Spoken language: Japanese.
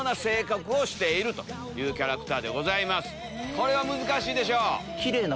これは難しいでしょ。